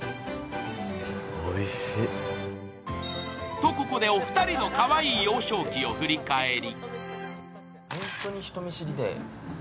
と、ここでお二人のかわいい幼少期を振り返り。